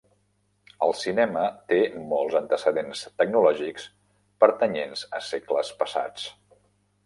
El cinema té molts antecedents tecnològics pertanyents a segles passats.